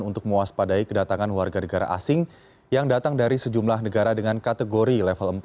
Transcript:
untuk mewaspadai kedatangan warga negara asing yang datang dari sejumlah negara dengan kategori level empat